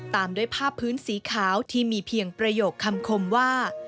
ตามด้วยภาพพื้นสีขาวที่มีเพียงประโยคคำคมว่า